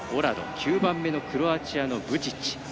９番目のクロアチアのブチッチ。